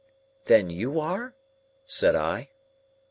"Then you are?" said I.